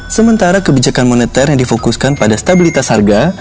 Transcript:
sementara kebijakan moneter yang difokuskan pada stabilitas harga